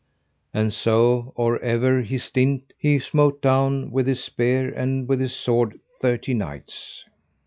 And so or ever he stint he smote down with his spear and with his sword thirty knights.